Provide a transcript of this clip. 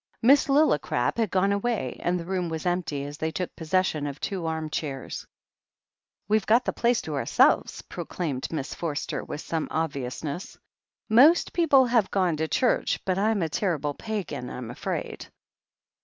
Miss Lillicrap had gone away, and the room was empty, as they took possession of two arm chairs. "We've got the place to ourselves !" proclaimed Miss Forster with some obviousness. "Most people have gone to church, but Fm a terrible pagan, I'm afraid.